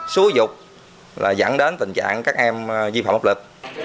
xúi dục là dẫn đến tình trạng các em vi phạm pháp lực